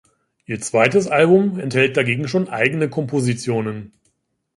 Ihr zweites Album enthält dagegen schon eigene Kompositionen.